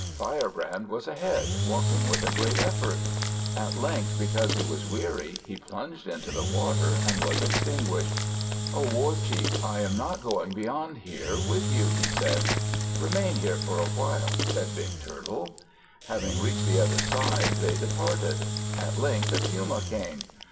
Firebrand was ahead, walking with a great effort. At length, because he was weary, he plunged into the water and was extinguished. "O war chief, I am not going beyond here with you," he said. "Remain here for a while," said Big Turtle. Having reached the other side, they departed. At length a Puma came.